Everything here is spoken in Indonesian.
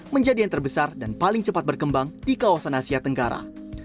menjadi yang terbesar dan paling cepat berkembang di kawasan asia tenggara